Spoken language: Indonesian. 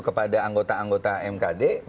kepada anggota anggota mkd